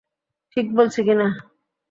ঠিক বলেছি কিনা?